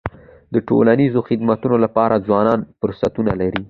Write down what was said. د ټولنیزو خدمتونو لپاره ځوانان فرصتونه لري.